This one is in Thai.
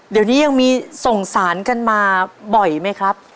เดี๋ยวนี้ยังมีส่งสารกันมาบ่อยไหมครับ